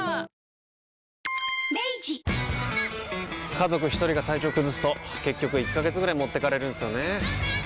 家族一人が体調崩すと結局１ヶ月ぐらい持ってかれるんすよねー。